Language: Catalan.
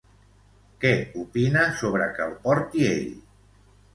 Què opina sobre que el porti ell?